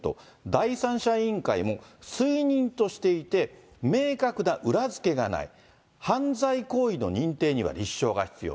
第三者委員会も推認としていて、明確な裏付けがない、犯罪行為の認定には立証が必要。